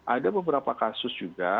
ada beberapa kasus juga